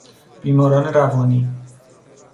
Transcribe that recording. بیماران روانی